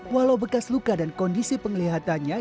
walau bekas luka dan kondisi penglihatannya